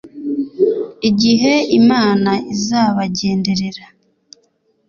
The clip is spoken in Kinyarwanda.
igihe imana izabagenderera